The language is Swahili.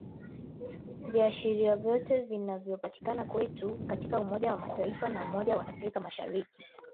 Viashiria vyote vinavyopatikana kwetu katika umoja wa Mataifa na umoja wa afrika mashariki